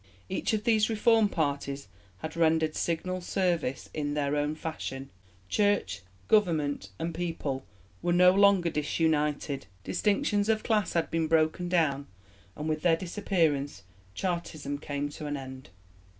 Each of these Reform parties had rendered signal service in their own fashion: Church, Government, and People were no longer disunited, distinctions of class had been broken down, and with their disappearance Chartism came to an end.